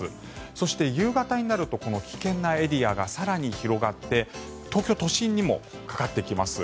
そして夕方になるとこの危険なエリアが更に広がって東京都心にもかかってきます。